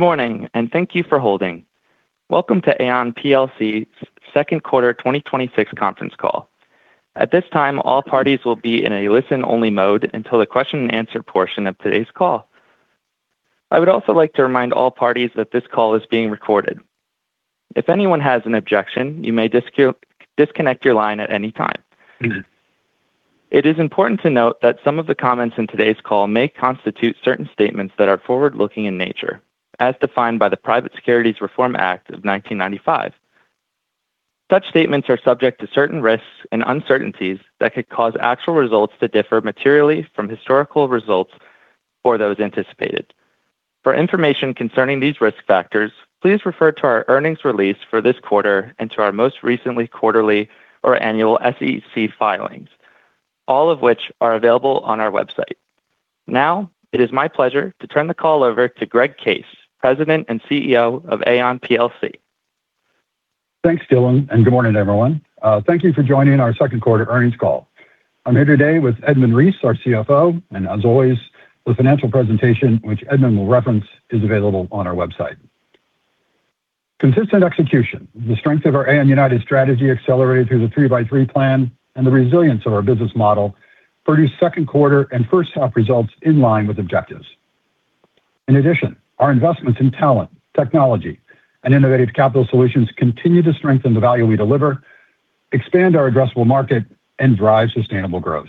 Good morning, and thank you for holding. Welcome to Aon plc's second quarter 2026 conference call. At this time, all parties will be in a listen-only mode until the question and answer portion of today's call. I would also like to remind all parties that this call is being recorded. If anyone has an objection, you may disconnect your line at any time. It is important to note that some of the comments in today's call may constitute certain statements that are forward-looking in nature, as defined by the Private Securities Litigation Reform Act of 1995. Such statements are subject to certain risks and uncertainties that could cause actual results to differ materially from historical results or those anticipated. For information concerning these risk factors, please refer to our earnings release for this quarter and to our most recently quarterly or annual SEC filings, all of which are available on our website. It is my pleasure to turn the call over to Greg Case, President and CEO of Aon plc. Thanks, Dylan, and good morning, everyone. Thank you for joining our second quarter earnings call. I'm here today with Edmund Reese, our CFO, and as always, the financial presentation, which Edmund will reference, is available on our website. Consistent execution, the strength of our Aon United strategy accelerated through the 3x3 Plan, and the resilience of our business model produced second quarter and first half results in line with objectives. In addition, our investments in talent, technology, and innovative capital solutions continue to strengthen the value we deliver, expand our addressable market, and drive sustainable growth.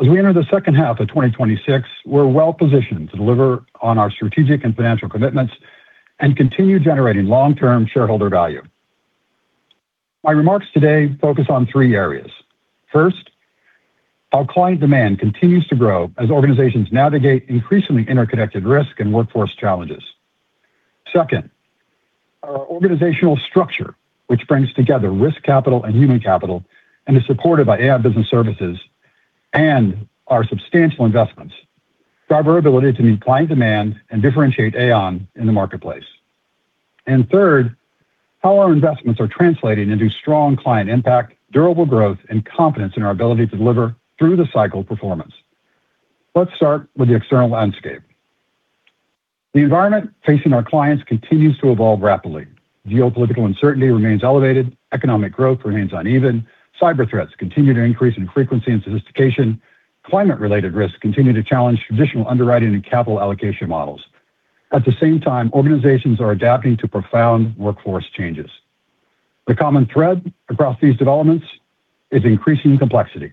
As we enter the second half of 2026, we're well-positioned to deliver on our strategic and financial commitments and continue generating long-term shareholder value. My remarks today focus on three areas. First, how client demand continues to grow as organizations navigate increasingly interconnected risk and workforce challenges. Second, our organizational structure, which brings together Risk Capital and Human Capital and is supported by Aon Business Services and our substantial investments, drive our ability to meet client demand and differentiate Aon in the marketplace. Third, how our investments are translating into strong client impact, durable growth, and confidence in our ability to deliver through-the-cycle performance. Let's start with the external landscape. The environment facing our clients continues to evolve rapidly. Geopolitical uncertainty remains elevated. Economic growth remains uneven. Cyber threats continue to increase in frequency and sophistication. Climate-related risks continue to challenge traditional underwriting and capital allocation models. At the same time, organizations are adapting to profound workforce changes. The common thread across these developments is increasing complexity.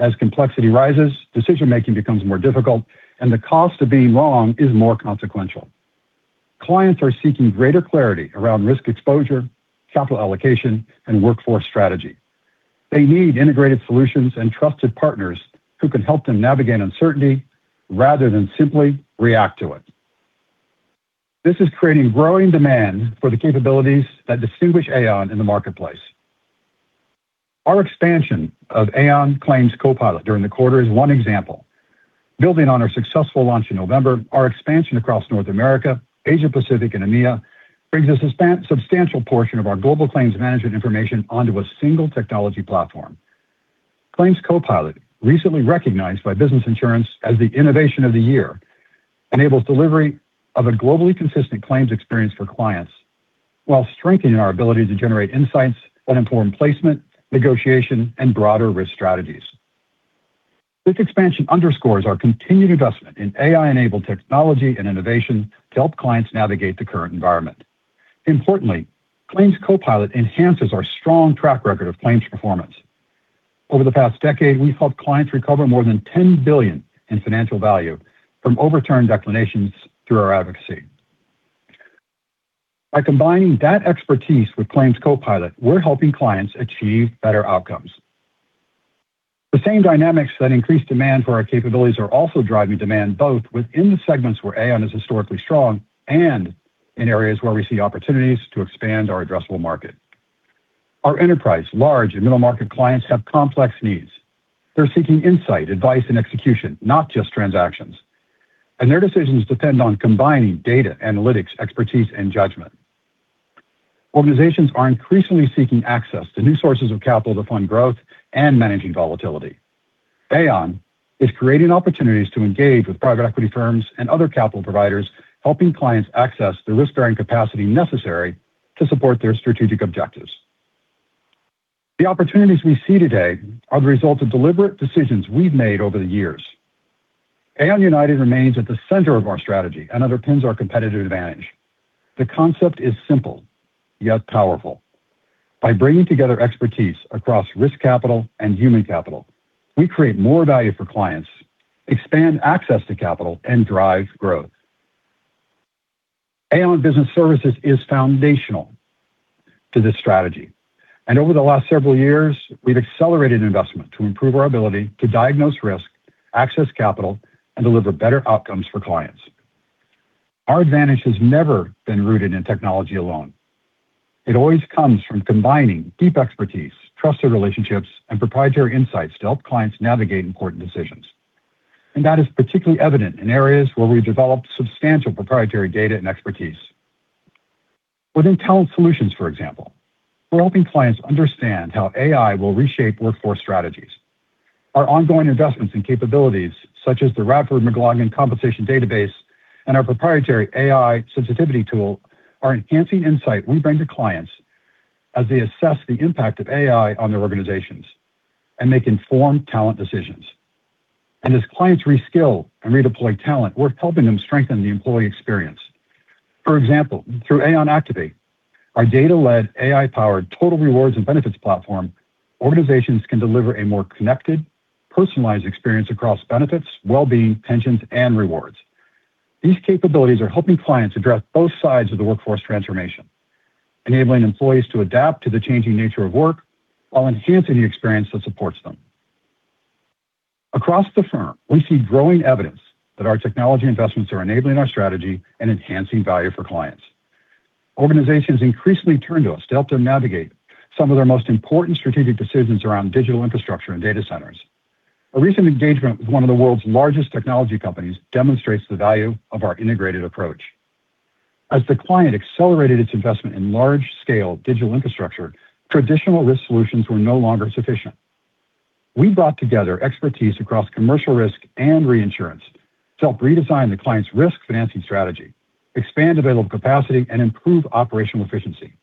As complexity rises, decision-making becomes more difficult, and the cost of being wrong is more consequential. Clients are seeking greater clarity around risk exposure, capital allocation, and workforce strategy. They need integrated solutions and trusted partners who can help them navigate uncertainty rather than simply react to it. This is creating growing demand for the capabilities that distinguish Aon in the marketplace. Our expansion of Aon Claims Copilot during the quarter is one example. Building on our successful launch in November, our expansion across North America, Asia Pacific, and EMEA brings a substantial portion of our global claims management information onto a single technology platform. Claims Copilot, recently recognized by Business Insurance as the Innovation of the Year, enables delivery of a globally consistent claims experience for clients while strengthening our ability to generate insights that inform placement, negotiation, and broader risk strategies. This expansion underscores our continued investment in AI-enabled technology and innovation to help clients navigate the current environment. Importantly, Claims Copilot enhances our strong track record of claims performance. Over the past decade, we've helped clients recover more than $10 billion in financial value from overturned declinations through our advocacy. By combining that expertise with Claims Copilot, we're helping clients achieve better outcomes. The same dynamics that increase demand for our capabilities are also driving demand, both within the segments where Aon is historically strong and in areas where we see opportunities to expand our addressable market. Our enterprise, large, and middle-market clients have complex needs. They're seeking insight, advice, and execution, not just transactions. Their decisions depend on combining data, analytics, expertise, and judgment. Organizations are increasingly seeking access to new sources of capital to fund growth and managing volatility. Aon is creating opportunities to engage with private equity firms and other capital providers, helping clients access the risk-bearing capacity necessary to support their strategic objectives. The opportunities we see today are the result of deliberate decisions we've made over the years. Aon United remains at the center of our strategy and underpins our competitive advantage. The concept is simple, yet powerful. By bringing together expertise across Risk Capital and Human Capital, we create more value for clients, expand access to capital, and drive growth. Aon Business Services is foundational to this strategy. Over the last several years, we've accelerated investment to improve our ability to diagnose risk, access capital, and deliver better outcomes for clients. Our advantage has never been rooted in technology alone. It always comes from combining deep expertise, trusted relationships, and proprietary insights to help clients navigate important decisions. That is particularly evident in areas where we've developed substantial proprietary data and expertise. Within Talent Solutions, for example, we're helping clients understand how AI will reshape workforce strategies. Our ongoing investments and capabilities, such as the Radford McLagan Compensation Database and our proprietary AI sensitivity tool, are enhancing insight we bring to clients as they assess the impact of AI on their organizations and make informed talent decisions. As clients reskill and redeploy talent, we're helping them strengthen the employee experience. For example, through Aon Activate, our data-led, AI-powered total rewards and benefits platform, organizations can deliver a more connected, personalized experience across benefits, well-being, pensions, and rewards. These capabilities are helping clients address both sides of the workforce transformation, enabling employees to adapt to the changing nature of work while enhancing the experience that supports them. Across the firm, we see growing evidence that our technology investments are enabling our strategy and enhancing value for clients. Organizations increasingly turn to us to help them navigate some of their most important strategic decisions around digital infrastructure and data centers. A recent engagement with one of the world's largest technology companies demonstrates the value of our integrated approach. As the client accelerated its investment in large-scale digital infrastructure, traditional risk solutions were no longer sufficient. We brought together expertise across Commercial Risk and Reinsurance to help redesign the client's risk financing strategy, expand available capacity, and improve operational efficiency.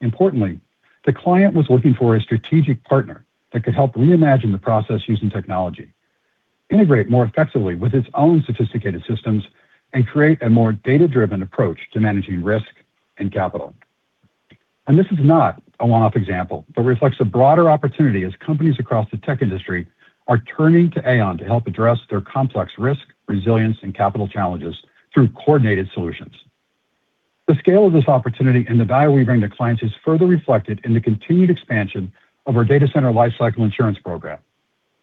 Importantly, the client was looking for a strategic partner that could help reimagine the process using technology, integrate more effectively with its own sophisticated systems, and create a more data-driven approach to managing risk and capital. This is not a one-off example, but reflects a broader opportunity as companies across the tech industry are turning to Aon to help address their complex risk, resilience, and capital challenges through coordinated solutions. The scale of this opportunity and the value we bring to clients is further reflected in the continued expansion of our Data Center Lifecycle Insurance Program.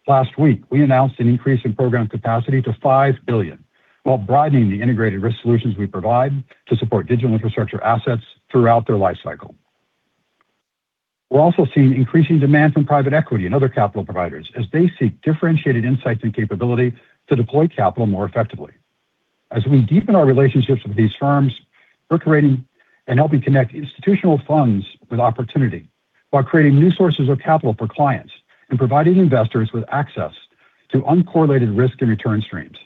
Last week, we announced an increase in program capacity to $5 billion, while broadening the integrated risk solutions we provide to support digital infrastructure assets throughout their lifecycle. We're also seeing increasing demand from private equity and other capital providers as they seek differentiated insights and capability to deploy capital more effectively. As we deepen our relationships with these firms, we're creating and helping connect institutional funds with opportunity while creating new sources of capital for clients and providing investors with access to uncorrelated risk and return streams.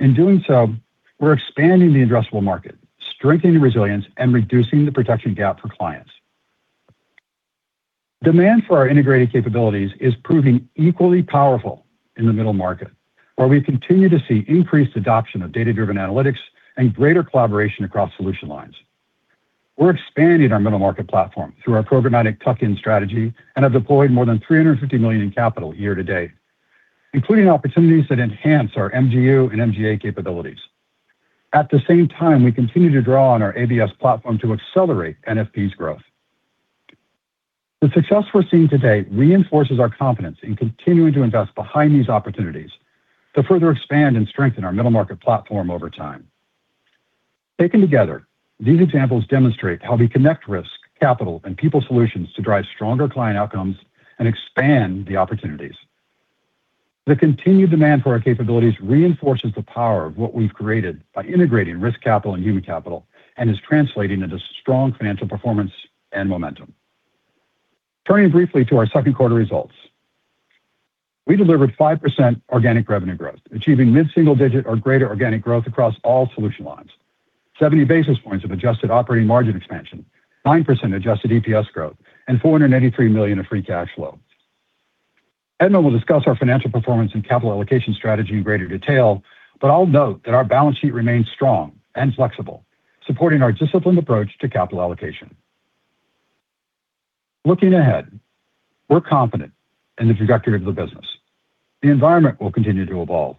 In doing so, we're expanding the addressable market, strengthening resilience, and reducing the protection gap for clients. Demand for our integrated capabilities is proving equally powerful in the middle market, where we continue to see increased adoption of data-driven analytics and greater collaboration across solution lines. We're expanding our middle market platform through our programmatic tuck-in strategy and have deployed more than $350 million in capital year to date, including opportunities that enhance our MGU and MGA capabilities. At the same time, we continue to draw on our ABS platform to accelerate NFP's growth. The success we're seeing today reinforces our confidence in continuing to invest behind these opportunities to further expand and strengthen our middle market platform over time. Taken together, these examples demonstrate how we connect risk, capital, and people solutions to drive stronger client outcomes and expand the opportunities. The continued demand for our capabilities reinforces the power of what we've created by integrating Risk Capital and Human Capital and is translating into strong financial performance and momentum. Turning briefly to our second quarter results. We delivered 5% organic revenue growth, achieving mid-single digit or greater organic growth across all solution lines. 70 basis points of adjusted operating margin expansion, 9% adjusted EPS growth, and $483 million of free cash flow. Edmund will discuss our financial performance and capital allocation strategy in greater detail, but I'll note that our balance sheet remains strong and flexible, supporting our disciplined approach to capital allocation. Looking ahead, we're confident in the trajectory of the business. The environment will continue to evolve.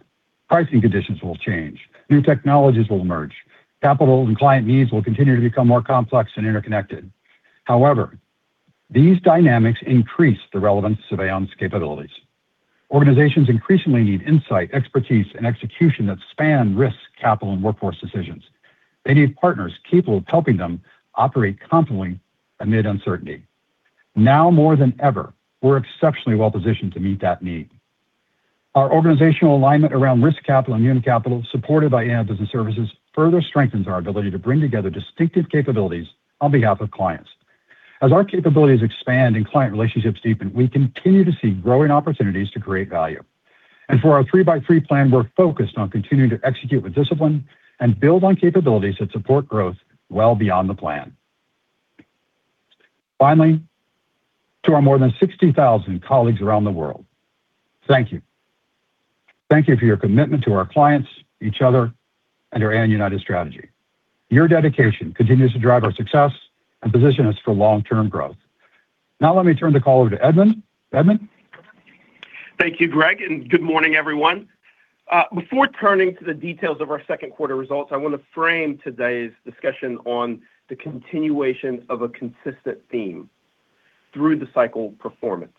Pricing conditions will change. New technologies will emerge. Capital and client needs will continue to become more complex and interconnected. However, these dynamics increase the relevance of Aon's capabilities. Organizations increasingly need insight, expertise, and execution that span risk, capital, and workforce decisions. They need partners capable of helping them operate confidently amid uncertainty. Now more than ever, we're exceptionally well-positioned to meet that need. Our organizational alignment around Risk Capital and Human Capital, supported by Aon Business Services, further strengthens our ability to bring together distinctive capabilities on behalf of clients. As our capabilities expand and client relationships deepen, we continue to see growing opportunities to create value. For our 3x3 Plan, we're focused on continuing to execute with discipline and build on capabilities that support growth well beyond the plan. Finally, to our more than 60,000 colleagues around the world, thank you. Thank you for your commitment to our clients, each other, and our Aon United strategy. Your dedication continues to drive our success and position us for long-term growth. Let me turn the call over to Edmund. Edmund? Thank you, Greg, and good morning, everyone. Before turning to the details of our second quarter results, I want to frame today's discussion on the continuation of a consistent theme through the cycle performance.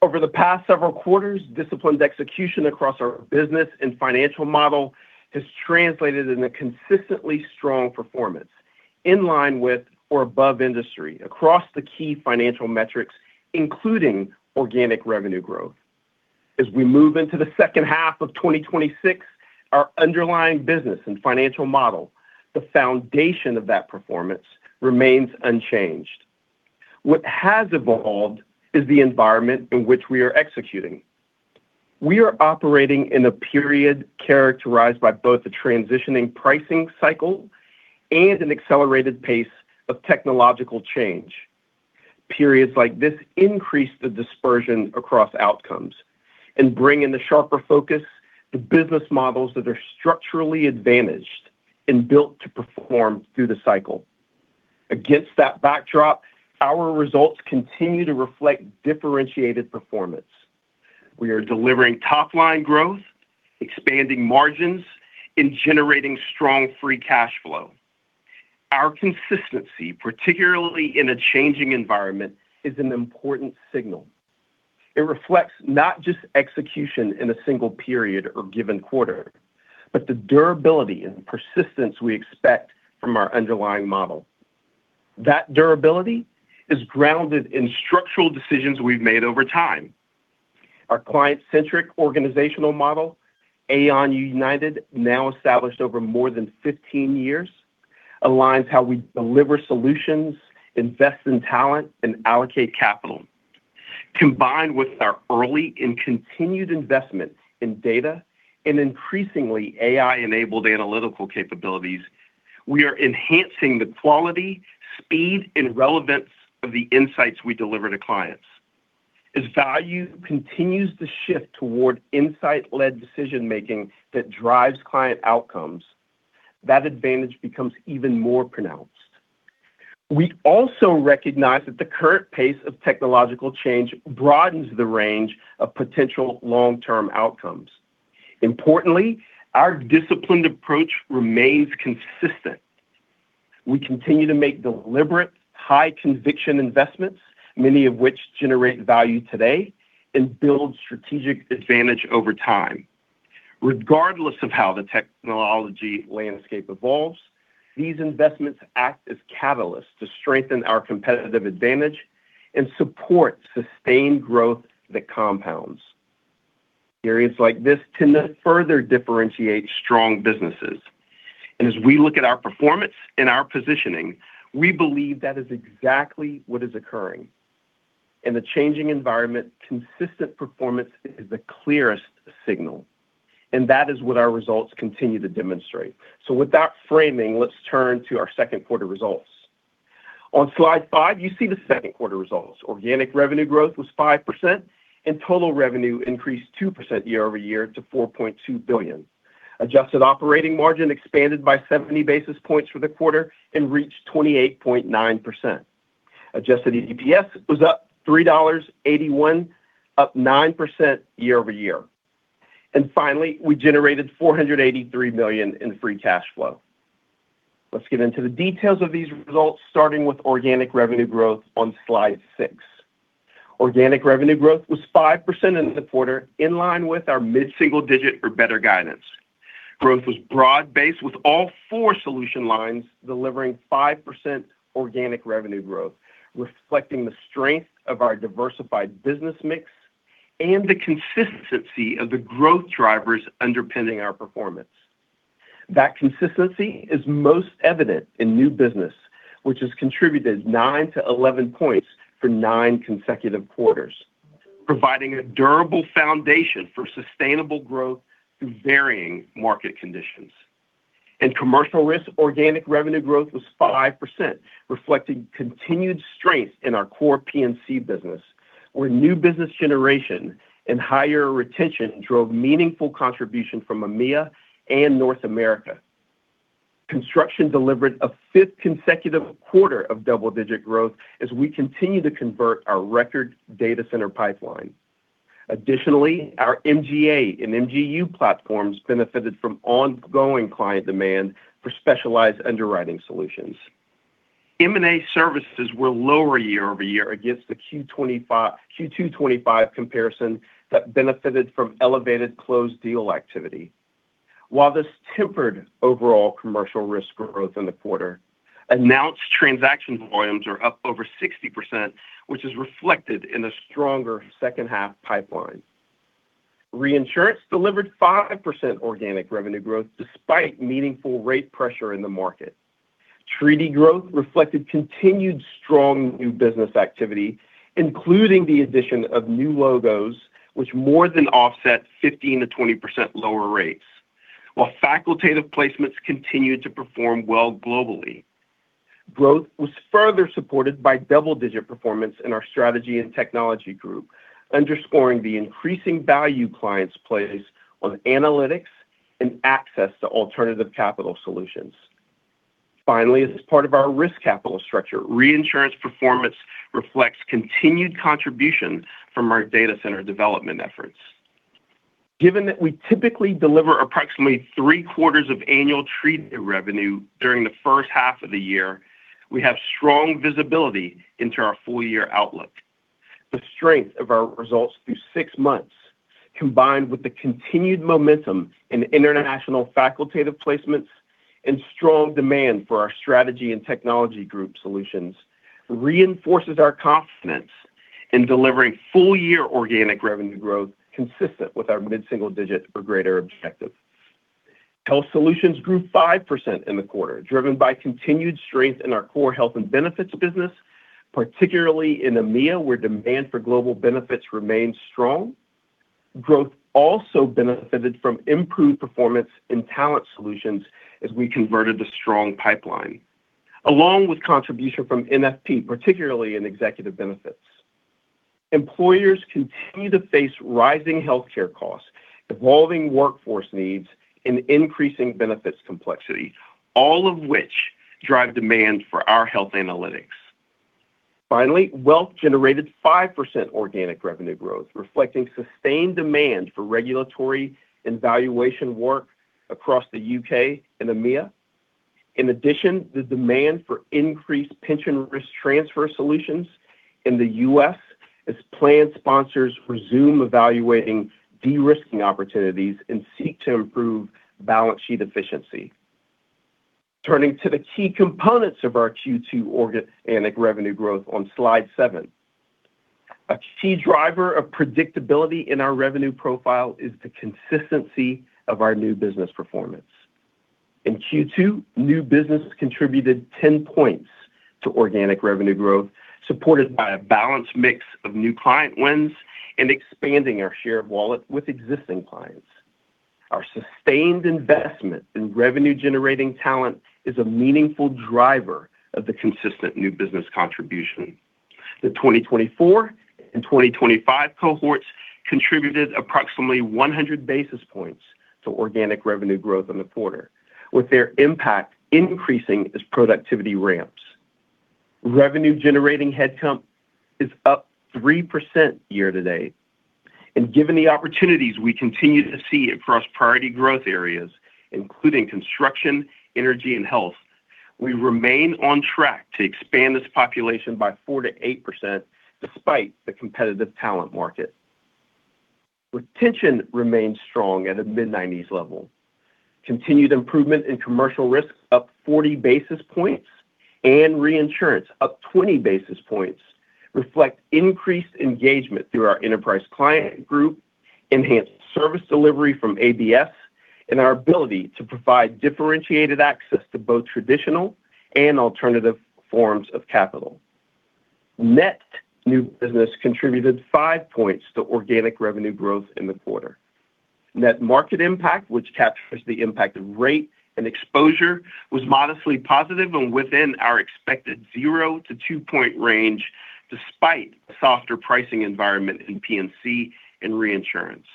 Over the past several quarters, disciplined execution across our business and financial model has translated into consistently strong performance in line with or above industry across the key financial metrics, including organic revenue growth. As we move into the second half of 2026, our underlying business and financial model, the foundation of that performance, remains unchanged. What has evolved is the environment in which we are executing. We are operating in a period characterized by both a transitioning pricing cycle and an accelerated pace of technological change. Periods like this increase the dispersion across outcomes and bring in the sharper focus to business models that are structurally advantaged and built to perform through the cycle. Against that backdrop, our results continue to reflect differentiated performance. We are delivering top-line growth, expanding margins, and generating strong free cash flow. Our consistency, particularly in a changing environment, is an important signal. It reflects not just execution in a single period or given quarter, but the durability and persistence we expect from our underlying model. That durability is grounded in structural decisions we've made over time. Our client-centric organizational model, Aon United, now established over more than 15 years, aligns how we deliver solutions, invest in talent, and allocate capital. Combined with our early and continued investment in data and increasingly AI-enabled analytical capabilities, we are enhancing the quality, speed, and relevance of the insights we deliver to clients. As value continues to shift toward insight-led decision-making that drives client outcomes, that advantage becomes even more pronounced. We also recognize that the current pace of technological change broadens the range of potential long-term outcomes. Importantly, our disciplined approach remains consistent. We continue to make deliberate high-conviction investments, many of which generate value today and build strategic advantage over time. Regardless of how the technology landscape evolves, these investments act as catalysts to strengthen our competitive advantage and support sustained growth that compounds. Periods like this tend to further differentiate strong businesses. As we look at our performance and our positioning, we believe that is exactly what is occurring. In the changing environment, consistent performance is the clearest signal, and that is what our results continue to demonstrate. With that framing, let's turn to our second quarter results. On slide five, you see the second quarter results. Organic revenue growth was 5%, and total revenue increased 2% year-over-year to $4.2 billion. Adjusted operating margin expanded by 70 basis points for the quarter and reached 28.9%. Adjusted EPS was up $3.81, up 9% year-over-year. Finally, we generated $483 million in free cash flow. Let's get into the details of these results, starting with organic revenue growth on slide six. Organic revenue growth was 5% in the quarter, in line with our mid-single digit for better guidance. Growth was broad-based, with all four solution lines delivering 5% organic revenue growth, reflecting the strength of our diversified business mix and the consistency of the growth drivers underpinning our performance. That consistency is most evident in new business, which has contributed 9-11 points for nine consecutive quarters, providing a durable foundation for sustainable growth through varying market conditions. In Commercial Risk, organic revenue growth was 5%, reflecting continued strength in our core P&C business, where new business generation and higher retention drove meaningful contribution from EMEA and North America. Construction delivered a fifth consecutive quarter of double-digit growth as we continue to convert our record data center pipeline. Additionally, our MGA and MGU platforms benefited from ongoing client demand for specialized underwriting solutions. M&A services were lower year-over-year against the Q2 2025 comparison that benefited from elevated closed deal activity. While this tempered overall Commercial Risk growth in the quarter, announced transaction volumes are up over 60%, which is reflected in a stronger second-half pipeline. Reinsurance delivered 5% organic revenue growth despite meaningful rate pressure in the market. Treaty growth reflected continued strong new business activity, including the addition of new logos, which more than offset 15%-20% lower rates, while facultative placements continued to perform well globally. Growth was further supported by double-digit performance in our Strategy and Technology Group, underscoring the increasing value clients place on analytics and access to alternative capital solutions. Finally, as part of our Risk Capital structure, Reinsurance performance reflects continued contribution from our data center development efforts. Given that we typically deliver approximately three-quarters of annual treaty revenue during the first half of the year, we have strong visibility into our full-year outlook. The strength of our results through six months, combined with the continued momentum in international facultative placements. Strong demand for our Strategy and Technology Group solutions reinforces our confidence in delivering full-year organic revenue growth consistent with our mid-single digit or greater objective. Health Solutions grew 5% in the quarter, driven by continued strength in our core health and benefits business, particularly in EMEA, where demand for global benefits remains strong. Growth also benefited from improved performance in Talent Solutions as we converted a strong pipeline. Along with contribution from NFP, particularly in executive benefits. Employers continue to face rising healthcare costs, evolving workforce needs, and increasing benefits complexity, all of which drive demand for our health analytics. Finally, Wealth Solutions generated 5% organic revenue growth, reflecting sustained demand for regulatory and valuation work across the U.K. and EMEA. In addition, the demand for increased pension risk transfer solutions in the U.S. as plan sponsors resume evaluating de-risking opportunities and seek to improve balance sheet efficiency. Turning to the key components of our Q2 organic revenue growth on slide seven. A key driver of predictability in our revenue profile is the consistency of our new business performance. In Q2, new business contributed 10 points to organic revenue growth, supported by a balanced mix of new client wins and expanding our share of wallet with existing clients. Our sustained investment in revenue-generating talent is a meaningful driver of the consistent new business contribution. The 2024 and 2025 cohorts contributed approximately 100 basis points to organic revenue growth in the quarter, with their impact increasing as productivity ramps. Revenue-generating head count is up 3% year to date, and given the opportunities we continue to see across priority growth areas, including construction, energy, and health, we remain on track to expand this population by 4%-8% despite the competitive talent market. Retention remains strong at a mid-90s level. Continued improvement in Commercial Risk up 40 basis points and Reinsurance up 20 basis points reflect increased engagement through our Enterprise Client Group, enhanced service delivery from ABS, and our ability to provide differentiated access to both traditional and alternative forms of capital. Net new business contributed five points to organic revenue growth in the quarter. Net market impact, which captures the impact of rate and exposure, was modestly positive and within our expected zero to two-point range, despite a softer pricing environment in P&C and Reinsurance.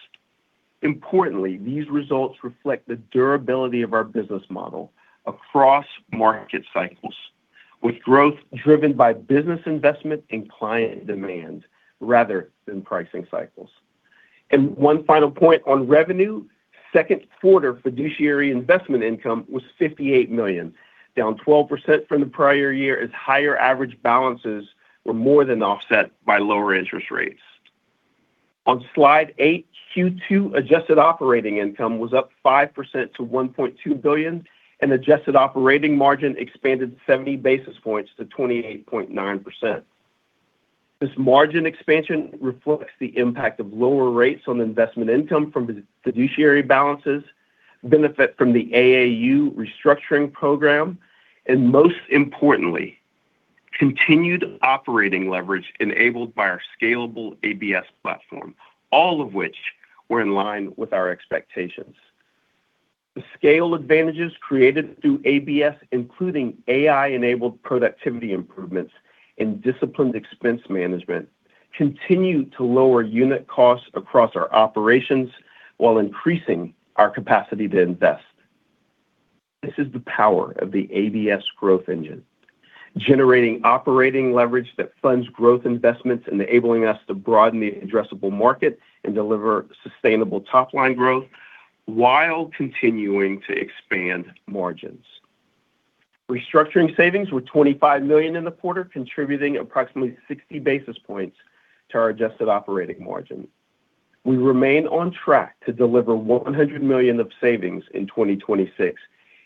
Importantly, these results reflect the durability of our business model across market cycles, with growth driven by business investment and client demand rather than pricing cycles. One final point on revenue, second quarter fiduciary investment income was $58 million, down 12% from the prior year as higher average balances were more than offset by lower interest rates. On slide eight, Q2 adjusted operating income was up 5% to $1.2 billion and adjusted operating margin expanded 70 basis points to 28.9%. This margin expansion reflects the impact of lower rates on investment income from fiduciary balances, benefit from the AAU restructuring program, and most importantly, continued operating leverage enabled by our scalable ABS platform, all of which were in line with our expectations. The scale advantages created through ABS, including AI-enabled productivity improvements and disciplined expense management, continue to lower unit costs across our operations while increasing our capacity to invest. This is the power of the ABS growth engine, generating operating leverage that funds growth investments and enabling us to broaden the addressable market and deliver sustainable top-line growth while continuing to expand margins. Restructuring savings were $25 million in the quarter, contributing approximately 60 basis points to our adjusted operating margin. We remain on track to deliver $100 million of savings in 2026,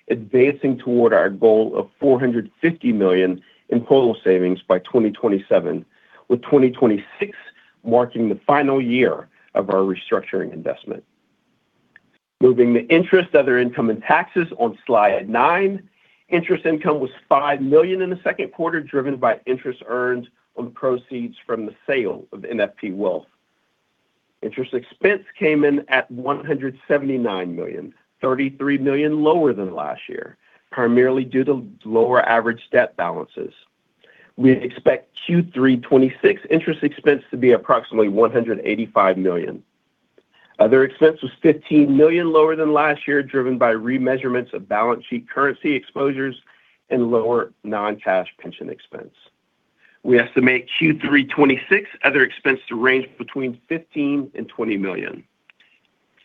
advancing toward our goal of $450 million in total savings by 2027, with 2026 marking the final year of our restructuring investment. Moving to interest, other income and taxes on slide nine. Interest income was $5 million in the second quarter, driven by interest earned on the proceeds from the sale of NFP Wealth. Interest expense came in at $179 million, $33 million lower than last year, primarily due to lower average debt balances. We expect Q3 2026 interest expense to be approximately $185 million. Other expense was $15 million lower than last year, driven by remeasurements of balance sheet currency exposures and lower non-cash pension expense. We estimate Q3 2026 other expense to range between $15 million-$20 million.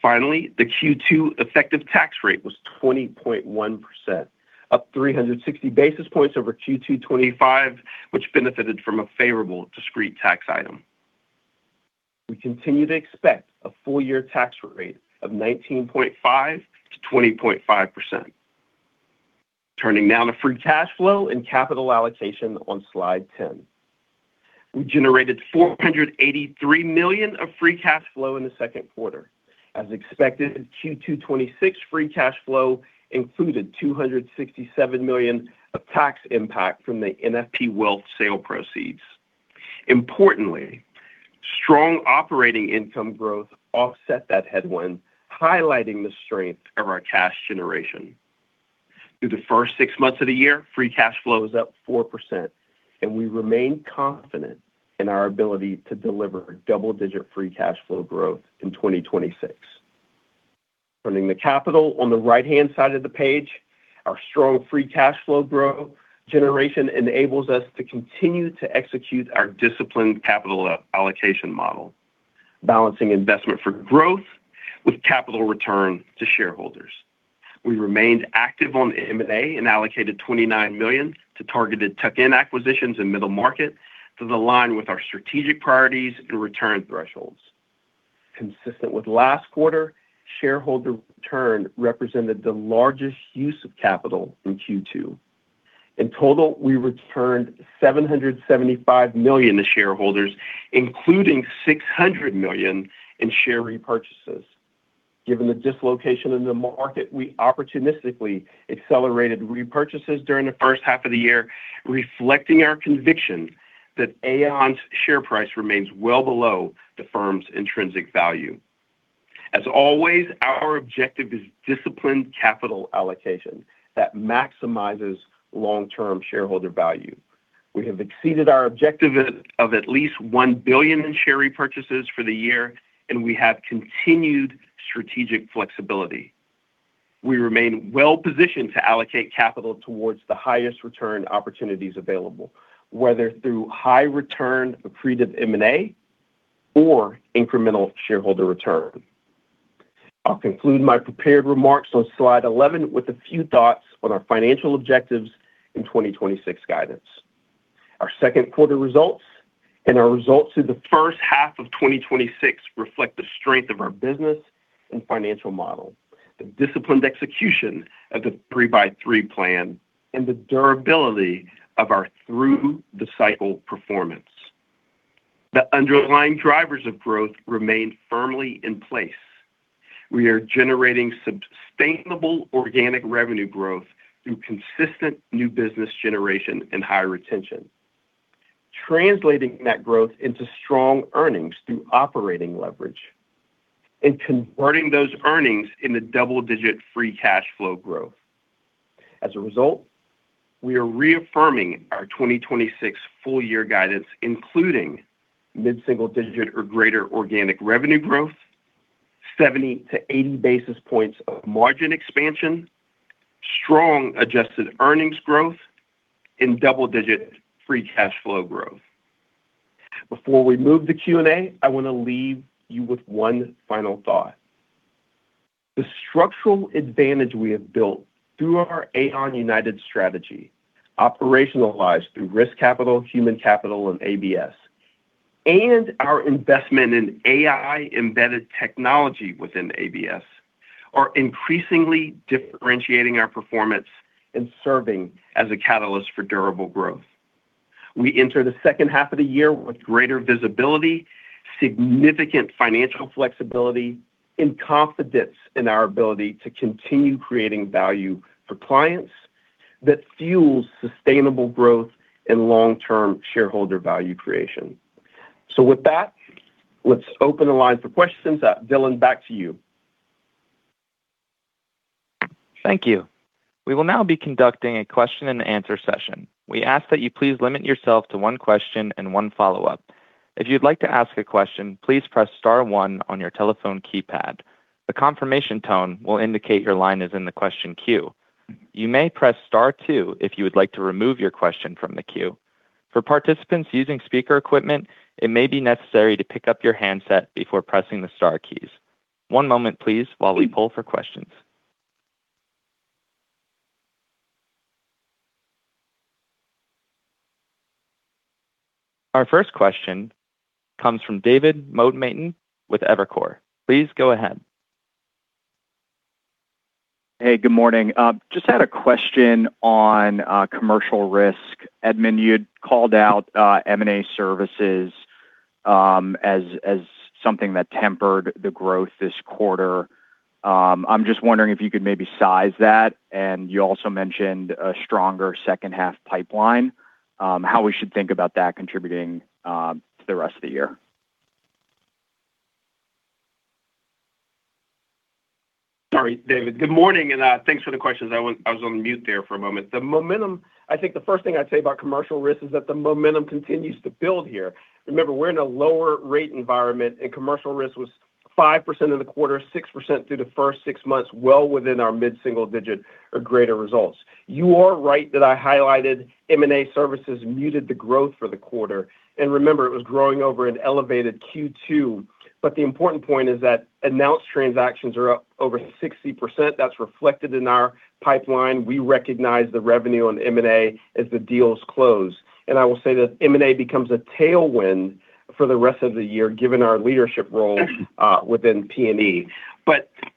The Q2 effective tax rate was 20.1%, up 360 basis points over Q2 2025, which benefited from a favorable discrete tax item. We continue to expect a full-year tax rate of 19.5%-20.5%. Turning now to free cash flow and capital allocation on slide 10. We generated $483 million of free cash flow in the second quarter. As expected, Q2 2026 free cash flow included $267 million of tax impact from the NFP Wealth sale proceeds. Strong operating income growth offset that headwind, highlighting the strength of our cash generation. Through the first six months of the year, free cash flow is up 4%, and we remain confident in our ability to deliver double-digit free cash flow growth in 2026. Turning to capital on the right-hand side of the page, our strong free cash flow growth generation enables us to continue to execute our disciplined capital allocation model, balancing investment for growth with capital return to shareholders. We remained active on M&A and allocated $29 million to targeted tuck-in acquisitions in middle market to the line with our strategic priorities and return thresholds. Consistent with last quarter, shareholder return represented the largest use of capital in Q2. We returned $775 million to shareholders, including $600 million in share repurchases. Given the dislocation in the market, we opportunistically accelerated repurchases during the first half of the year, reflecting our conviction that Aon's share price remains well below the firm's intrinsic value. Our objective is disciplined capital allocation that maximizes long-term shareholder value. We have exceeded our objective of at least $1 billion in share repurchases for the year, and we have continued strategic flexibility. We remain well-positioned to allocate capital towards the highest return opportunities available, whether through high return accretive M&A or incremental shareholder return. I'll conclude my prepared remarks on slide 11 with a few thoughts on our financial objectives in 2026 guidance. Our second quarter results and our results through the first half of 2026 reflect the strength of our business and financial model, the disciplined execution of the 3x3 Plan, and the durability of our through the cycle performance. The underlying drivers of growth remain firmly in place. We are generating sustainable organic revenue growth through consistent new business generation and high retention, translating that growth into strong earnings through operating leverage, and converting those earnings into double-digit free cash flow growth. As a result, we are reaffirming our 2026 full year guidance, including mid-single digit or greater organic revenue growth, 70-80 basis points of margin expansion, strong adjusted earnings growth, and double-digit free cash flow growth. Before we move to Q&A, I want to leave you with one final thought. The structural advantage we have built through our Aon United strategy, operationalized through Risk Capital, Human Capital and ABS, and our investment in AI-embedded technology within ABS, are increasingly differentiating our performance and serving as a catalyst for durable growth. We enter the second half of the year with greater visibility, significant financial flexibility, and confidence in our ability to continue creating value for clients that fuels sustainable growth and long-term shareholder value creation. With that, let's open the line for questions. Dylan, back to you. Thank you. We will now be conducting a question and answer session. We ask that you please limit yourself to one question and one follow-up. If you'd like to ask a question, please press star one on your telephone keypad. The confirmation tone will indicate your line is in the question queue. You may press star two if you would like to remove your question from the queue. For participants using speaker equipment, it may be necessary to pick up your handset before pressing the star keys. One moment, please, while we poll for questions. Our first question comes from David Motemaden with Evercore. Please go ahead. Hey, good morning. Just had a question on Commercial Risk. Edmund, you had called out M&A services as something that tempered the growth this quarter. I'm just wondering if you could maybe size that, and you also mentioned a stronger second half pipeline, how we should think about that contributing to the rest of the year. Sorry, David. Good morning, and thanks for the questions. I was on mute there for a moment. I think the first thing I'd say about Commercial Risk is that the momentum continues to build here. Remember, we're in a lower rate environment, Commercial Risk was 5% of the quarter, 6% through the first six months, well within our mid-single digit or greater results. You are right that I highlighted M&A services muted the growth for the quarter. Remember, it was growing over an elevated Q2. The important point is that announced transactions are up over 60%. That's reflected in our pipeline. We recognize the revenue on M&A as the deals close. I will say that M&A becomes a tailwind for the rest of the year, given our leadership role within P&C.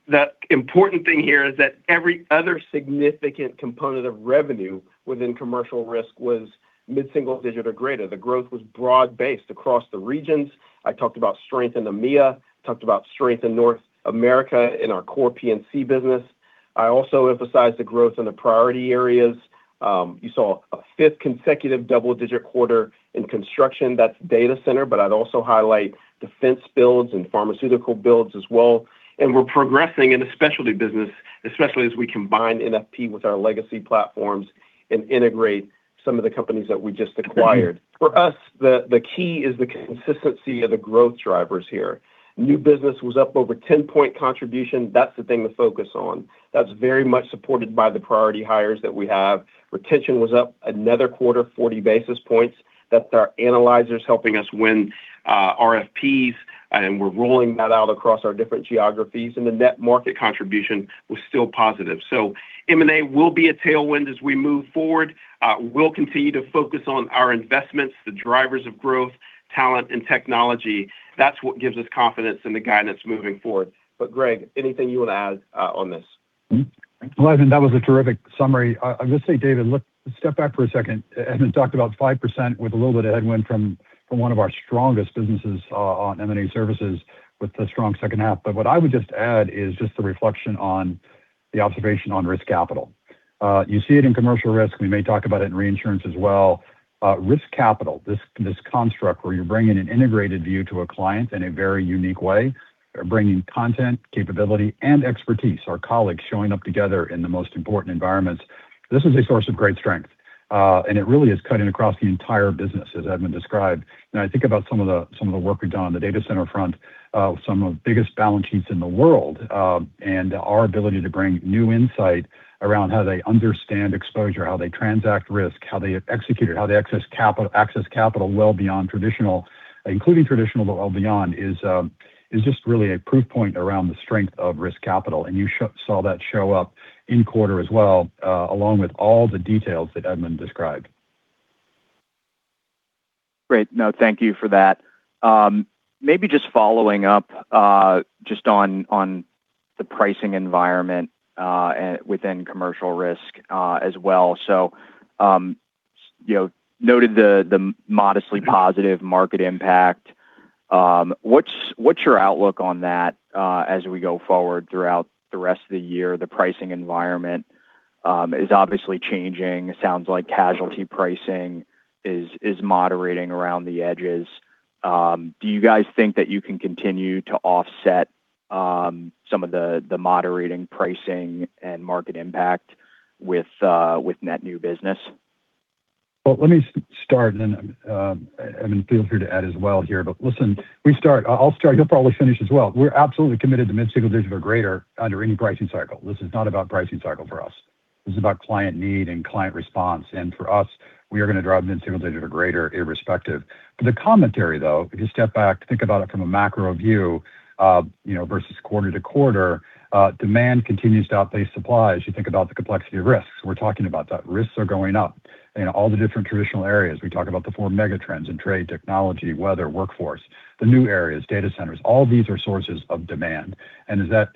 The important thing here is that every other significant component of revenue within Commercial Risk was mid-single digit or greater. The growth was broad-based across the regions. I talked about strength in EMEA, talked about strength in North America in our core P&C business. I also emphasized the growth in the priority areas. You saw a fifth consecutive double-digit quarter in construction. That's data center, but I'd also highlight defense builds and pharmaceutical builds as well. We're progressing in the specialty business, especially as we combine NFP with our legacy platforms and integrate some of the companies that we just acquired. For us, the key is the consistency of the growth drivers here. New business was up over a 10-point contribution. That's the thing to focus on. That's very much supported by the priority hires that we have. Retention was up another quarter, 40 basis points. That's our analyzers helping us win RFPs, and we're rolling that out across our different geographies. The net market contribution was still positive. M&A will be a tailwind as we move forward. We'll continue to focus on our investments, the drivers of growth, talent, and technology. That's what gives us confidence in the guidance moving forward. Greg, anything you want to add on this? I think that was a terrific summary. I'm going to say, David, let's step back for a second. Edmund talked about 5% with a little bit of headwind from one of our strongest businesses on M&A services with the strong second half. What I would just add is just the reflection on the observation on Risk Capital. You see it in Commercial Risk. We may talk about it in Reinsurance as well. Risk Capital, this construct where you're bringing an integrated view to a client in a very unique way, bringing content, capability, and expertise, our colleagues showing up together in the most important environments. This is a source of great strength, and it really is cutting across the entire business, as Edmund described. I think about some of the work we've done on the data center front with some of the biggest balance sheets in the world, and our ability to bring new insight around how they understand exposure, how they transact risk, how they execute it, how they access capital well including traditional, but well beyond, is just really a proof point around the strength of Risk Capital. You saw that show up in quarter as well, along with all the details that Edmund described. Great. No, thank you for that. Maybe just following up just on the pricing environment within Commercial Risk as well. Noted the modestly positive market impact. What's your outlook on that as we go forward throughout the rest of the year? The pricing environment is obviously changing. It sounds like casualty pricing is moderating around the edges. Do you guys think that you can continue to offset some of the moderating pricing and market impact with net new business? Let me start, and then Edmund, feel free to add as well here. Listen, I'll start. You'll probably finish as well. We're absolutely committed to mid-single digit or greater under any pricing cycle. This is not about pricing cycle for us. This is about client need and client response. For us, we are going to drive mid-single digit or greater irrespective. The commentary, though, if you step back, think about it from a macro view versus quarter to quarter, demand continues to outpace supply as you think about the complexity of risks. We're talking about that. Risks are going up in all the different traditional areas. We talk about the four mega trends in trade, technology, weather, workforce. The new areas, data centers, all these are sources of demand. As that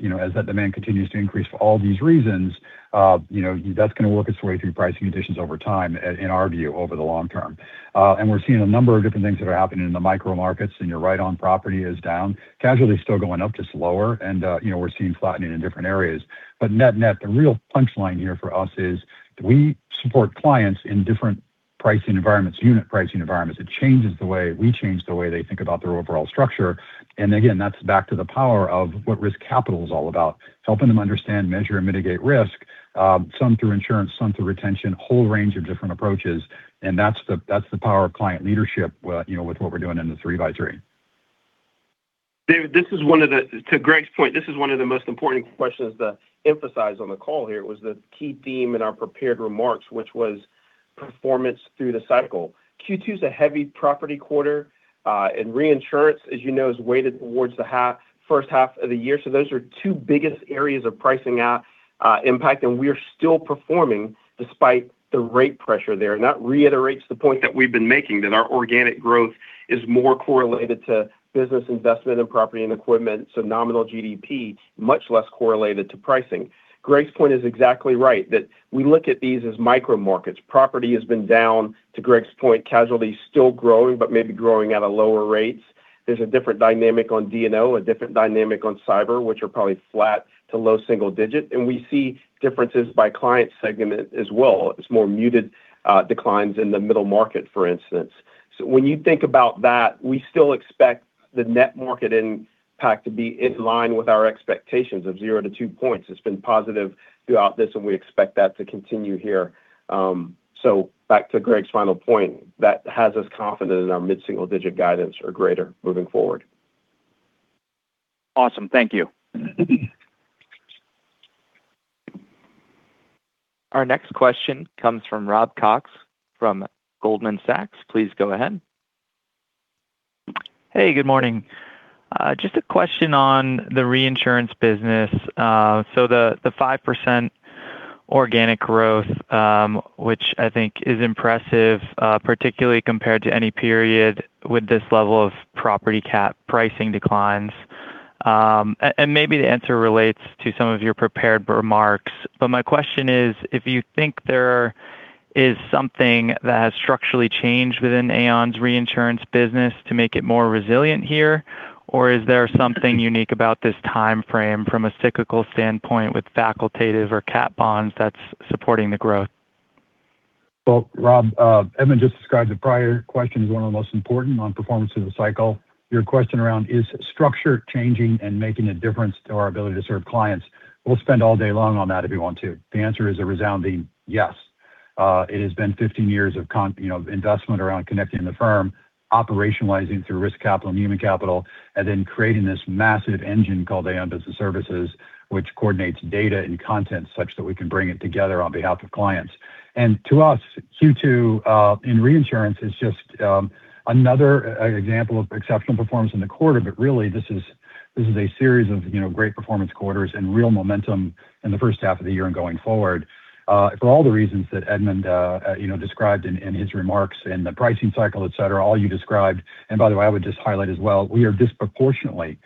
demand continues to increase for all these reasons, that's going to work its way through pricing conditions over time, in our view, over the long term. We're seeing a number of different things that are happening in the micro markets, and you're right on property is down. Casualty is still going up, just lower, and we're seeing flattening in different areas. Net-net, the real punchline here for us is we support clients in different pricing environments, unit pricing environments. It changes the way we change the way they think about their overall structure. Again, that's back to the power of what Risk Capital is all about, helping them understand, measure, and mitigate risk, some through insurance, some through retention, a whole range of different approaches. That's the power of client leadership with what we're doing in the 3x3. David, to Greg's point, this is one of the most important questions to emphasize on the call here. It was the key theme in our prepared remarks, which was performance through the cycle. Q2 is a heavy property quarter, and Reinsurance, as you know, is weighted towards the first half of the year. Those are two biggest areas of pricing impact, and we are still performing despite the rate pressure there. That reiterates the point that we've been making, that our organic growth is more correlated to business investment in property and equipment, so nominal GDP, much less correlated to pricing. Greg's point is exactly right, that we look at these as micro markets. Property has been down. To Greg's point, casualty is still growing, but maybe growing at a lower rate. There's a different dynamic on D&O, a different dynamic on cyber, which are probably flat to low single digit, and we see differences by client segment as well. It's more muted declines in the middle market, for instance. When you think about that, we still expect the net market impact to be in line with our expectations of zero to two points. It's been positive throughout this, and we expect that to continue here. Back to Greg's final point, that has us confident in our mid-single digit guidance or greater moving forward. Awesome. Thank you. Our next question comes from Rob Cox from Goldman Sachs. Please go ahead. Hey, good morning. Just a question on the Reinsurance business. The 5% organic growth, which I think is impressive, particularly compared to any period with this level of P&C pricing declines. Maybe the answer relates to some of your prepared remarks, but my question is: If you think there is something that has structurally changed within Aon's Reinsurance business to make it more resilient here, or is there something unique about this timeframe from a cyclical standpoint with facultative or cat bonds that's supporting the growth? Well, Rob, Edmund just described the prior question as one of the most important on performance through the cycle. Your question around is structure changing and making a difference to our ability to serve clients? We'll spend all day long on that if you want to. The answer is a resounding yes. It has been 15 years of investment around connecting the firm, operationalizing through Risk Capital and Human Capital, and then creating this massive engine called Aon Business Services, which coordinates data and content such that we can bring it together on behalf of clients. To us, Q2 in Reinsurance is just another example of exceptional performance in the quarter. Really, this is a series of great performance quarters and real momentum in the first half of the year and going forward. For all the reasons that Edmund described in his remarks, in the pricing cycle, et cetera, all you described, by the way, I would just highlight as well, we are disproportionately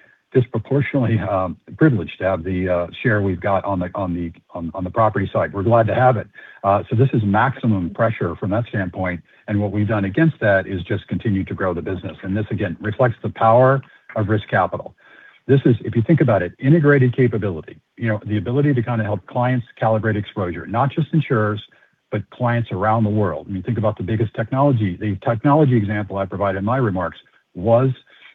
privileged to have the share we've got on the property side. We're glad to have it. This is maximum pressure from that standpoint, and what we've done against that is just continue to grow the business. This, again, reflects the power of Risk Capital. This is, if you think about it, integrated capability. The ability to help clients calibrate exposure, not just insurers, but clients around the world. Think about the biggest technology. The technology example I provide in my remarks was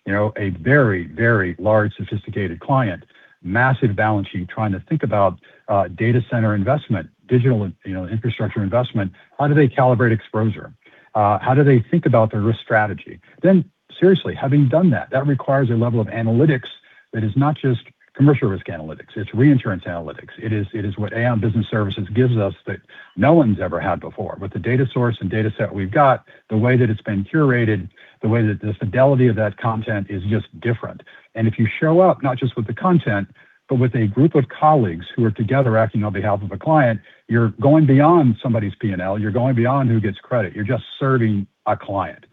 a very large, sophisticated client, massive balance sheet, trying to think about data center investment, digital infrastructure investment. How do they calibrate exposure? How do they think about their risk strategy? Seriously, having done that requires a level of analytics that is not just Commercial Risk analytics, it's Reinsurance analytics. It is what Aon Business Services gives us that no one's ever had before. With the data source and data set we've got, the way that it's been curated, the way that the fidelity of that content is just different. If you show up not just with the content, but with a group of colleagues who are together acting on behalf of a client, you're going beyond somebody's P&L, you're going beyond who gets credit. You're just serving a client.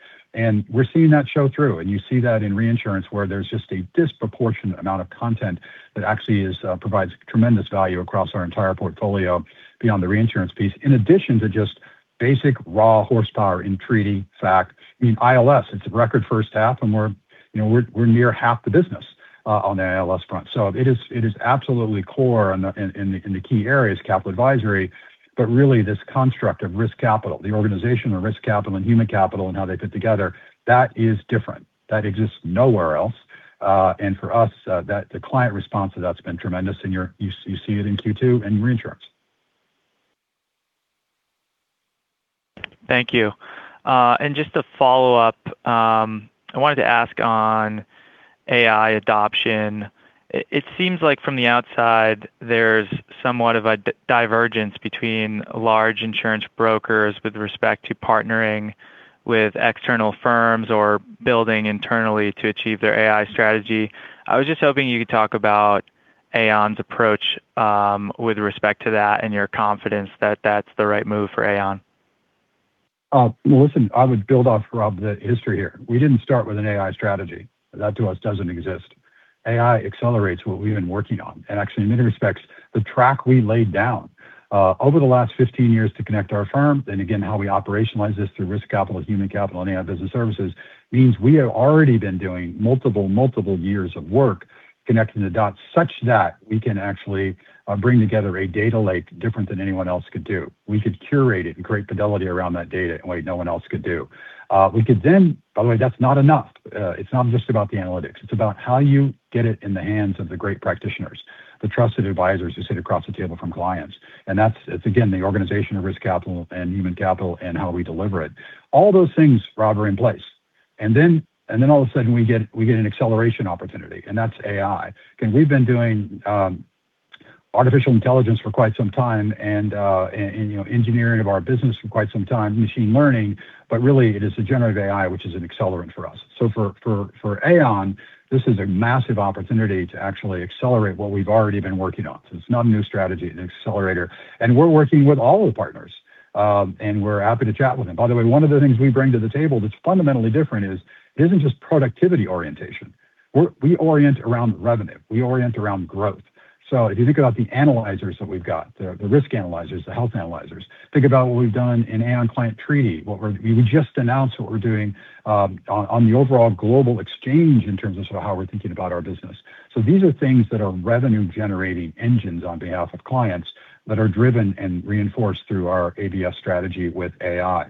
We're seeing that show through, and you see that in Reinsurance, where there's just a disproportionate amount of content that actually provides tremendous value across our entire portfolio beyond the Reinsurance piece. In addition to just basic raw horsepower in treaty fact. ILS, it's a record first half, we're near half the business on the ILS front. It is absolutely core in the key areas, capital advisory. Really this construct of Risk Capital, the organization of Risk Capital and Human Capital and how they fit together, that is different. That exists nowhere else. For us, the client response to that's been tremendous, and you see it in Q2 and Reinsurance. Thank you. Just to follow up, I wanted to ask on AI adoption. It seems like from the outside, there's somewhat of a divergence between large insurance brokers with respect to partnering with external firms or building internally to achieve their AI strategy. I was just hoping you could talk about Aon's approach with respect to that and your confidence that that's the right move for Aon. Listen, I would build off Rob, the history here. We didn't start with an AI strategy. That to us doesn't exist. AI accelerates what we've been working on. Actually, in many respects, the track we laid down over the last 15 years to connect our firm, and again, how we operationalize this through Risk Capital, Human Capital, and Aon Business Services means we have already been doing multiple years of work connecting the dots such that we can actually bring together a data lake different than anyone else could do. We could curate it in great fidelity around that data in a way no one else could do. By the way, that's not enough. It's not just about the analytics. It's about how you get it in the hands of the great practitioners, the trusted advisors who sit across the table from clients. That's, again, the organization of Risk Capital and Human Capital and how we deliver it. All those things, Rob, are in place. All of a sudden we get an acceleration opportunity, that's AI. We've been doing artificial intelligence for quite some time and engineering of our business for quite some time, machine learning. Really, it is the generative AI which is an accelerant for us. For Aon, this is a massive opportunity to actually accelerate what we've already been working on. It's not a new strategy, an accelerator. We're working with all the partners, and we're happy to chat with them. By the way, one of the things we bring to the table that's fundamentally different is it isn't just productivity orientation. We orient around revenue. We orient around growth. If you think about the analyzers that we've got, the risk analyzers, the health analyzers, think about what we've done in Aon Client Treaty. We just announced what we're doing on the overall global exchange in terms of how we're thinking about our business. These are things that are revenue-generating engines on behalf of clients that are driven and reinforced through our ABS strategy with AI.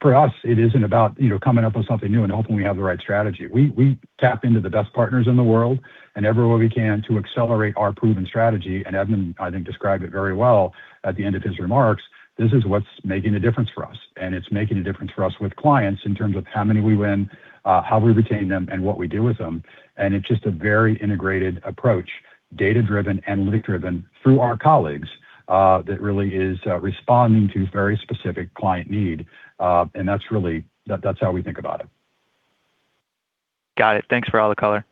For us, it isn't about coming up with something new and hoping we have the right strategy. We tap into the best partners in the world and everywhere we can to accelerate our proven strategy. Edmund, I think, described it very well at the end of his remarks. This is what's making a difference for us, and it's making a difference for us with clients in terms of how many we win, how we retain them, and what we do with them. It's just a very integrated approach, data-driven, analytic-driven through our colleagues that really is responding to very specific client need. That's how we think about it. Got it. Thanks for all the color.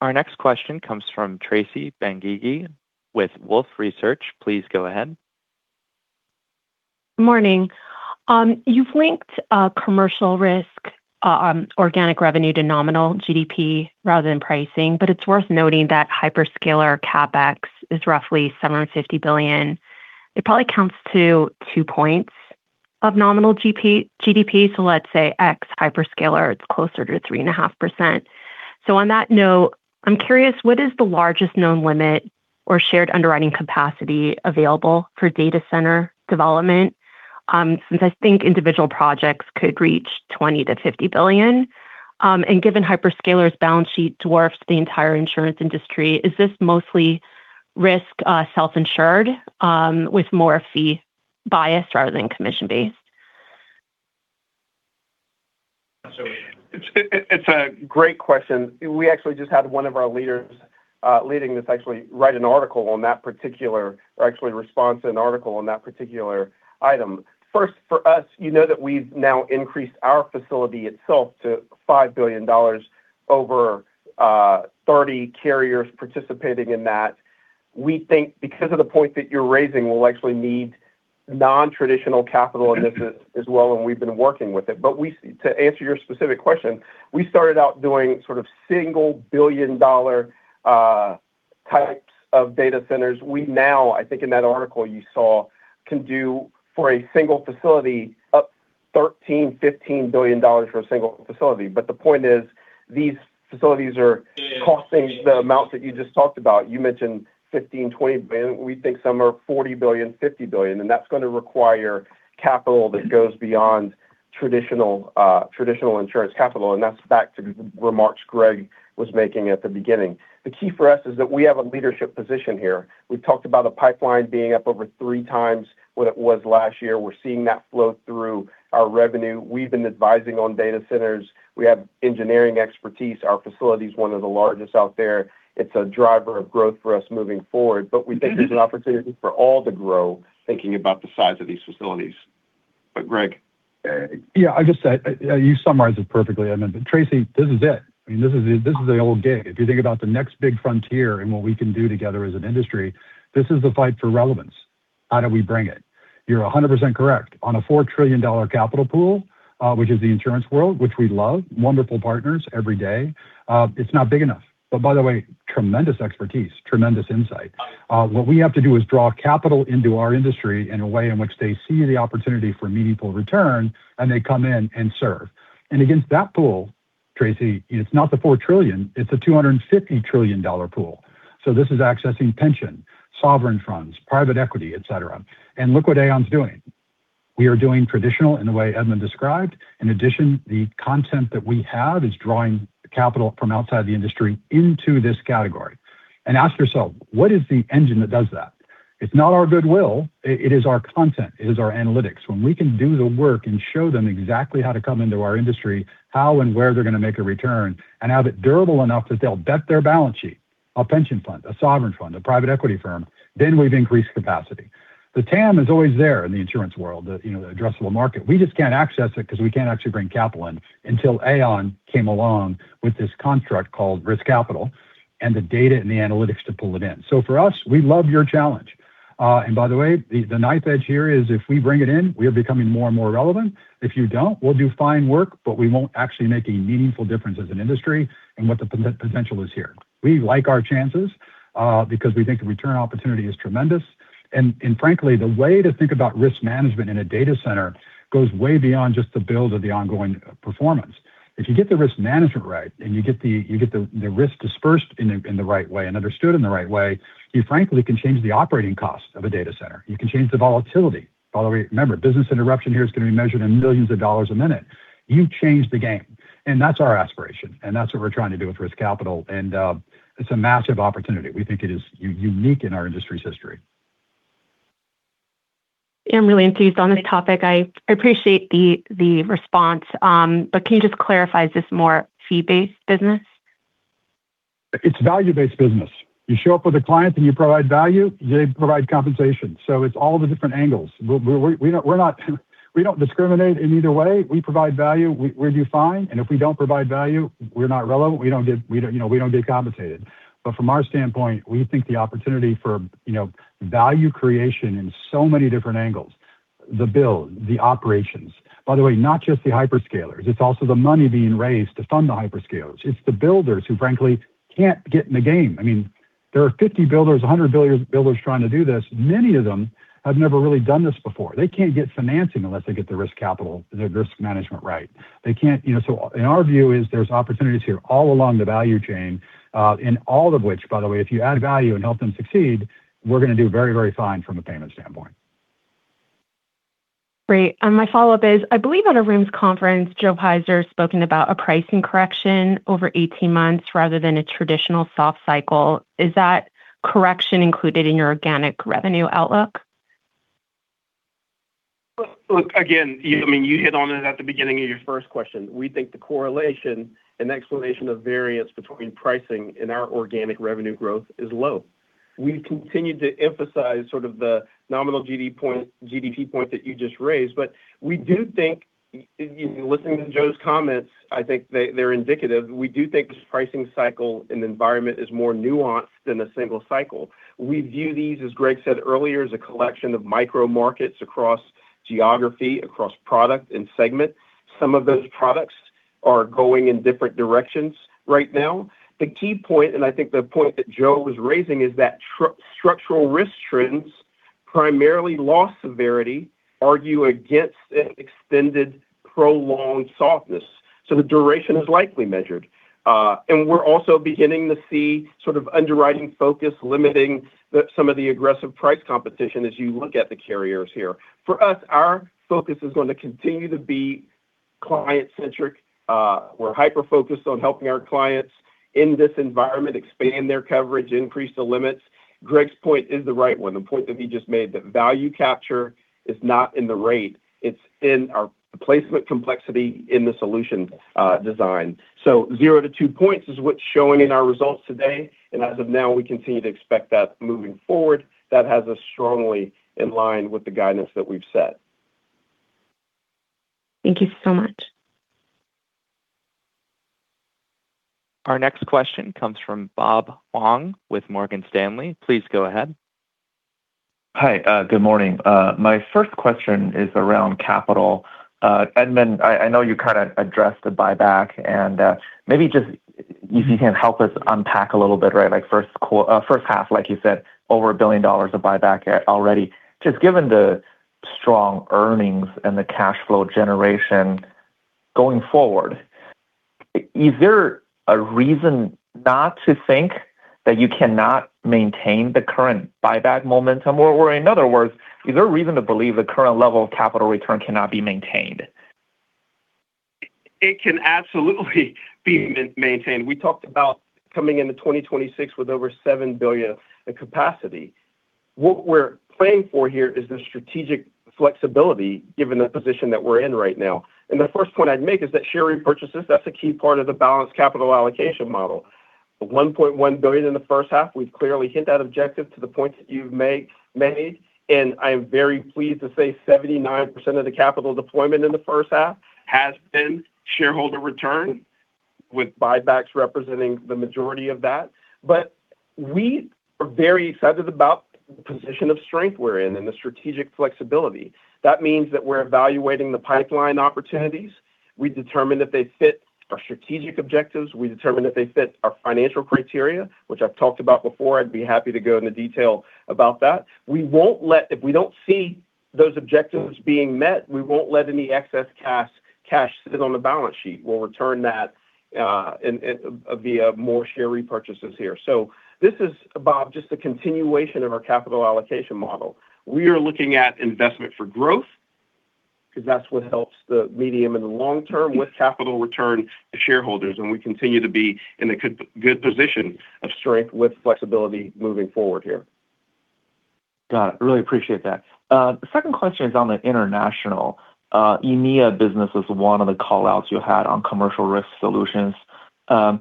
Our next question comes from Tracy Benguigui with Wolfe Research. Please go ahead. Morning. You've linked Commercial Risk organic revenue to nominal GDP rather than pricing, but it's worth noting that hyperscaler CapEx is roughly $750 billion. It probably counts to two points of nominal GDP. Let's say ex-hyperscaler, it's closer to 3.5%. On that note, I'm curious, what is the largest known limit or shared underwriting capacity available for data center development? Since I think individual projects could reach $20 billion-$50 billion. Given hyperscalers' balance sheet dwarfs the entire insurance industry, is this mostly risk self-insured with more fee bias rather than commission-based? It's a great question. We actually just had one of our leaders leading this actually write an article on that particular, or actually respond to an article on that particular item. First, for us, you know that we've now increased our facility itself to $5 billion, over 30 carriers participating in that. We think because of the point that you're raising, we'll actually need non-traditional capital in this as well, and we've been working with it. To answer your specific question, we started out doing sort of single billion-dollar types of data centers. We now, I think in that article you saw, can do for a single facility up $13 billion-$15 billion for a single facility. The point is, these facilities are costing the amount that you just talked about. You mentioned $15 billion-$20 billion. We think some are $40 billion-$50 billion, and that's going to require capital that goes beyond traditional insurance capital, and that's back to the remarks Greg was making at the beginning. The key for us is that we have a leadership position here. We've talked about a pipeline being up over three times what it was last year. We're seeing that flow through our revenue. We've been advising on data centers. We have engineering expertise. Our facility is one of the largest out there. It's a driver of growth for us moving forward, we think there's an opportunity for all to grow thinking about the size of these facilities. Greg. Yeah, you summarized it perfectly, Edmund. Tracy, this is it. I mean, this is the whole gig. If you think about the next big frontier and what we can do together as an industry, this is the fight for relevance. How do we bring it? You're 100% correct. On a $4 trillion capital pool, which is the insurance world, which we love, wonderful partners every day, it's not big enough. By the way, tremendous expertise, tremendous insight. What we have to do is draw capital into our industry in a way in which they see the opportunity for meaningful return, and they come in and serve. Against that pool, Tracy, it's not the $4 trillion, it's a $250 trillion pool. This is accessing pension, sovereign funds, private equity, et cetera. Look what Aon is doing. We are doing traditional in the way Edmund described. In addition, the content that we have is drawing capital from outside the industry into this category. Ask yourself, what is the engine that does that? It's not our goodwill. It is our content. It is our analytics. When we can do the work and show them exactly how to come into our industry, how and where they're going to make a return, and have it durable enough that they'll bet their balance sheet, a pension fund, a sovereign fund, a private equity firm, then we've increased capacity. The TAM is always there in the insurance world, the addressable market. We just can't access it because we can't actually bring capital in until Aon came along with this construct called Risk Capital and the data and the analytics to pull it in. For us, we love your challenge. By the way, the knife edge here is if we bring it in, we are becoming more and more relevant. If you don't, we'll do fine work, but we won't actually make a meaningful difference as an industry and what the potential is here. We like our chances because we think the return opportunity is tremendous. Frankly, the way to think about risk management in a data center goes way beyond just the build of the ongoing performance. If you get the risk management right, and you get the risk dispersed in the right way and understood in the right way, you frankly can change the operating cost of a data center. You can change the volatility. By the way, remember, business interruption here is going to be measured in millions of dollars a minute. You change the game. That's our aspiration. That's what we're trying to do with risk capital. It's a massive opportunity. We think it is unique in our industry's history. I'm really enthused on this topic. I appreciate the response. Can you just clarify, is this more fee-based business? It's value-based business. You show up with a client and you provide value, they provide compensation. It's all the different angles. We don't discriminate in either way. We provide value, we do fine. If we don't provide value, we're not relevant, we don't get compensated. From our standpoint, we think the opportunity for value creation in so many different angles, the build, the operations. By the way, not just the hyperscalers, it's also the money being raised to fund the hyperscalers. It's the builders who frankly can't get in the game. I mean, there are 50 builders, 100 builders trying to do this. Many of them have never really done this before. They can't get financing unless they get the risk capital, the risk management right. In our view is there's opportunities here all along the value chain. All of which, by the way, if you add value and help them succeed, we're going to do very fine from a payment standpoint. Great. My follow-up is, I believe at a RIMS conference, Joe Peiser spoke about a pricing correction over 18 months rather than a traditional soft cycle. Is that correction included in your organic revenue outlook? Look, again, you hit on it at the beginning of your first question. We think the correlation and explanation of variance between pricing and our organic revenue growth is low. We've continued to emphasize sort of the nominal GDP point that you just raised. We do think, listening to Joe's comments, I think they're indicative. We do think this pricing cycle and environment is more nuanced than a single cycle. We view these, as Greg said earlier, as a collection of micro markets across geography, across product, and segment. Some of those products are going in different directions right now. The key point, and I think the point that Joe was raising, is that structural risk trends, primarily loss severity, argue against an extended, prolonged softness, so the duration is likely measured. We're also beginning to see sort of underwriting focus limiting some of the aggressive price competition as you look at the carriers here. For us, our focus is going to continue to be client-centric. We're hyper-focused on helping our clients in this environment expand their coverage, increase the limits. Greg's point is the right one, the point that he just made, that value capture is not in the rate, it's in our placement complexity in the solution design. Zero to two points is what's showing in our results today. As of now, we continue to expect that moving forward. That has us strongly in line with the guidance that we've set. Thank you so much. Our next question comes from Bob Huang with Morgan Stanley. Please go ahead. Hi. Good morning. My first question is around capital. Edmund, I know you kind of addressed the buyback, and maybe just if you can help us unpack a little bit, right? First half, like you said, over $1 billion of buyback already. Just given the strong earnings and the cash flow generation going forward, is there a reason to think that you cannot maintain the current buyback momentum? Or in other words, is there a reason to believe the current level of capital return cannot be maintained? It can absolutely be maintained. We talked about coming into 2026 with over $7 billion in capacity. What we're playing for here is the strategic flexibility, given the position that we're in right now. The first point I'd make is that share repurchases, that's a key part of the balanced capital allocation model. The $1.1 billion in the first half, we've clearly hit that objective to the point that you've made. I am very pleased to say 79% of the capital deployment in the first half has been shareholder return, with buybacks representing the majority of that. We are very excited about the position of strength we're in and the strategic flexibility. That means that we're evaluating the pipeline opportunities. We determine that they fit our strategic objectives. We determine that they fit our financial criteria, which I've talked about before. I'd be happy to go into detail about that. If we don't see those objectives being met, we won't let any excess cash sit on the balance sheet. We'll return that via more share repurchases here. This is, Bob, just a continuation of our capital allocation model. We are looking at investment for growth because that's what helps the medium and the long term with capital return to shareholders, and we continue to be in a good position of strength with flexibility moving forward here. Got it. Really appreciate that. Second question is on the international. EMEA business was one of the call-outs you had on Commercial Risk solutions. Can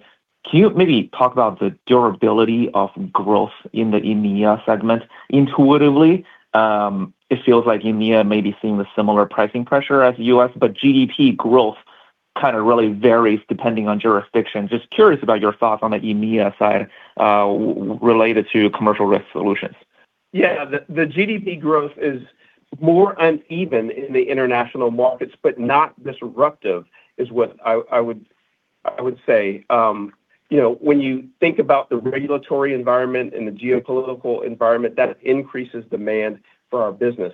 you maybe talk about the durability of growth in the EMEA segment? Intuitively, it feels like EMEA may be seeing the similar pricing pressure as U.S., GDP growth kind of really varies depending on jurisdiction. Just curious about your thoughts on the EMEA side related to Commercial Risk solutions. Yeah. The GDP growth is more uneven in the international markets, not disruptive is what I would say. When you think about the regulatory environment and the geopolitical environment, that increases demand for our business.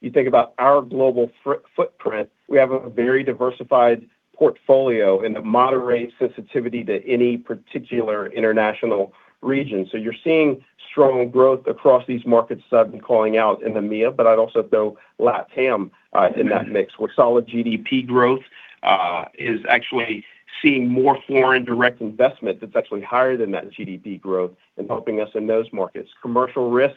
You think about our global footprint, we have a very diversified portfolio and a moderate sensitivity to any particular international region. You're seeing strong growth across these markets that I've been calling out in EMEA, I'd also throw LATAM in that mix, where solid GDP growth is actually seeing more foreign direct investment that's actually higher than that GDP growth and helping us in those markets. Commercial Risk,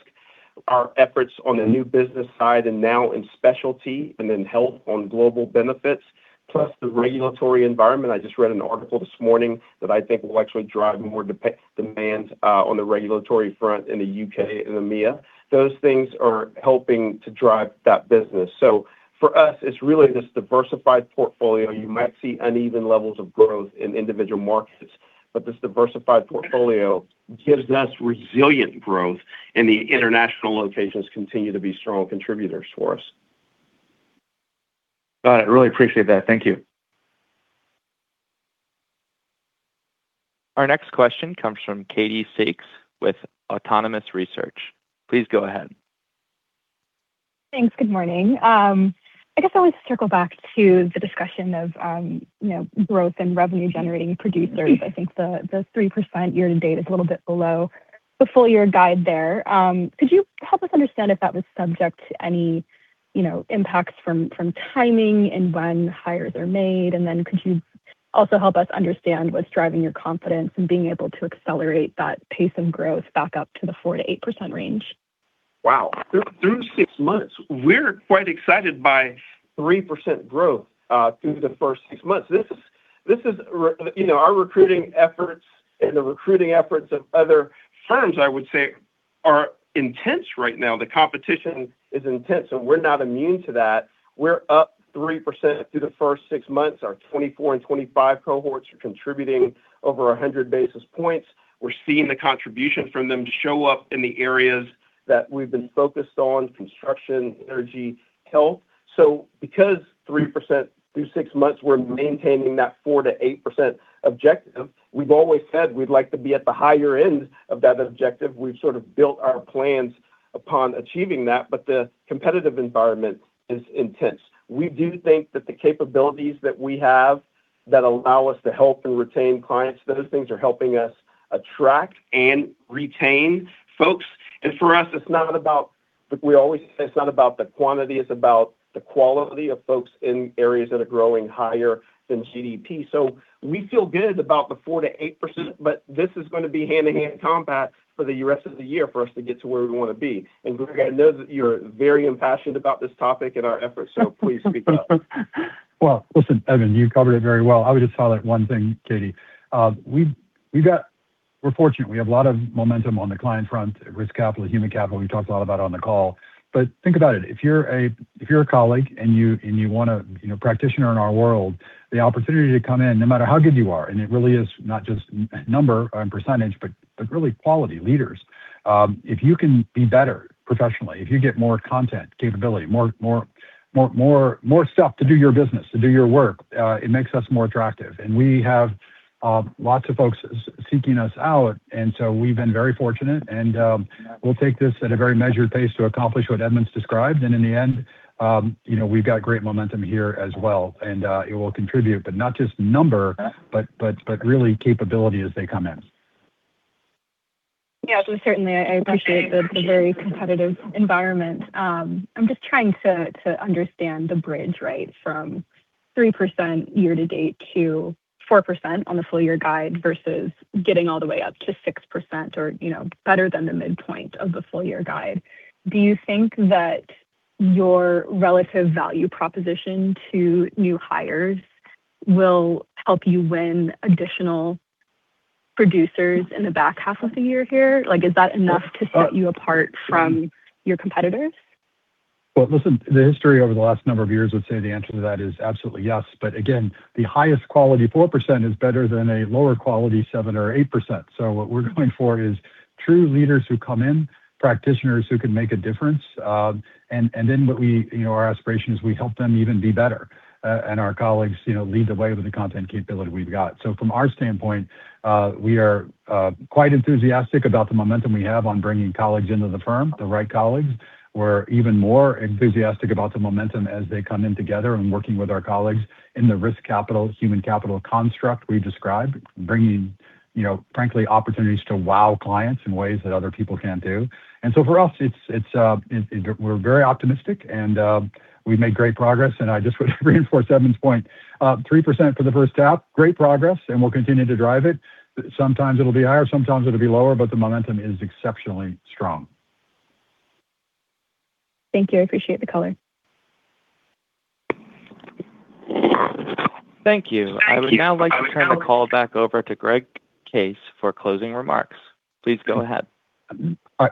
our efforts on the new business side and now in specialty and in Health Solutions on global benefits, plus the regulatory environment. I just read an article this morning that I think will actually drive more demand on the regulatory front in the U.K. and EMEA. Those things are helping to drive that business. For us, it's really this diversified portfolio. You might see uneven levels of growth in individual markets, this diversified portfolio gives us resilient growth, and the international locations continue to be strong contributors for us. Got it. Really appreciate that. Thank you. Our next question comes from Katie Sykes with Autonomous Research. Please go ahead. Thanks. Good morning. I guess I want to circle back to the discussion of growth and revenue-generating producers. I think the 3% year-to-date is a little bit below the full-year guide there. Could you help us understand if that was subject to any impacts from timing and when hires are made? Could you also help us understand what's driving your confidence in being able to accelerate that pace of growth back up to the 4%-8% range? Wow. Through six months. We're quite excited by 3% growth, through the first six months. Our recruiting efforts and the recruiting efforts of other firms, I would say, are intense right now. The competition is intense, and we're not immune to that. We're up 3% through the first six months. Our 2024 and 2025 cohorts are contributing over 100 basis points. We're seeing the contribution from them show up in the areas that we've been focused on, construction, energy, health. Because 3% through six months, we're maintaining that 4%-8% objective. We've always said we'd like to be at the higher end of that objective. We've sort of built our plans upon achieving that. The competitive environment is intense. We do think that the capabilities that we have that allow us to help and retain clients, those things are helping us attract and retain folks. For us, it's not about the quantity, it's about the quality of folks in areas that are growing higher than GDP. We feel good about the 4%-8%, this is going to be hand-to-hand combat for the rest of the year for us to get to where we want to be. Greg, I know that you're very impassioned about this topic and our efforts, please speak up. Listen, Edmund, you covered it very well. I would just highlight one thing, Katie. We're fortunate. We have a lot of momentum on the client front, Risk Capital, Human Capital, we talked a lot about on the call. Think about it. If you're a colleague, a practitioner in our world, the opportunity to come in, no matter how good you are, it really is not just number and percentage, but really quality leaders. If you can be better professionally, if you get more content capability, more stuff to do your business, to do your work, it makes us more attractive. We have lots of folks seeking us out, we've been very fortunate. We'll take this at a very measured pace to accomplish what Edmund's described. In the end, we've got great momentum here as well, it will contribute, not just number but really capability as they come in. Certainly, I appreciate the very competitive environment. I'm just trying to understand the bridge, from 3% year-to-date to 4% on the full year guide versus getting all the way up to 6% or better than the midpoint of the full year guide. Do you think that your relative value proposition to new hires will help you win additional producers in the back half of the year here? Is that enough to set you apart from your competitors? Listen, the history over the last number of years would say the answer to that is absolutely yes. Again, the highest quality 4% is better than a lower quality 7% or 8%. What we're going for is true leaders who come in, practitioners who can make a difference. Our aspiration is we help them even be better, our colleagues lead the way with the content capability we've got. From our standpoint, we are quite enthusiastic about the momentum we have on bringing colleagues into the firm, the right colleagues. We're even more enthusiastic about the momentum as they come in together and working with our colleagues in the Risk Capital, Human Capital construct we've described. Bringing, frankly, opportunities to wow clients in ways that other people can't do. For us, we're very optimistic, we've made great progress. I just want to reinforce Edmund's point. 3% for the first half, great progress, and we'll continue to drive it. Sometimes it'll be higher, sometimes it'll be lower, but the momentum is exceptionally strong. Thank you. I appreciate the color. Thank you. I would now like to turn the call back over to Greg Case for closing remarks. Please go ahead.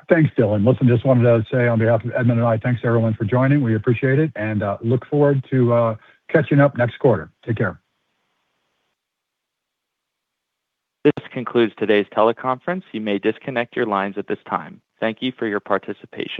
Thanks, Dylan. Listen, just wanted to say on behalf of Edmund and I, thanks, everyone, for joining. We appreciate it, and look forward to catching up next quarter. Take care. This concludes today's teleconference. You may disconnect your lines at this time. Thank you for your participation.